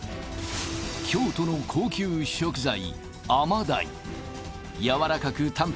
京都の高級食材